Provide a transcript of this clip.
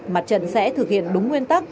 mặt trận sẽ thực hiện đúng nguyên tắc